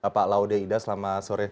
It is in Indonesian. pak laude ida selamat sore